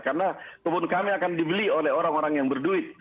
karena kebun kami akan dibeli oleh orang orang yang berduit